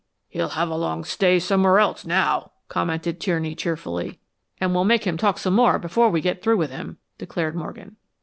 "He'll have a long stay somewhere else now," commented Tierney, cheerfully. "And we'll make him talk same more before we get through with him," declared Morgan.